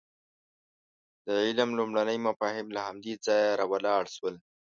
د علم لومړني مفاهیم له همدې ځایه راولاړ شول.